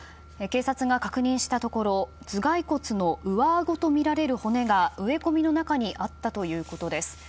警察が確認したところ頭蓋骨の上あごとみられる骨が植え込みの中にあったということです。